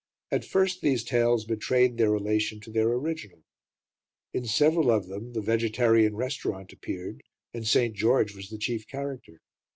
At first, these tales betrayed their relation to their original. In several of them the vegetarian restaurant appeared, and St. George was the chief character.